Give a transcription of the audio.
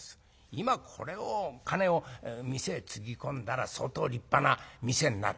今これをお金を店へつぎ込んだら相当立派な店になる。